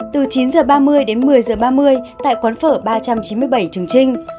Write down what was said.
từ chín h ba mươi đến một mươi h ba mươi tại quán phở ba trăm chín mươi bảy trường trinh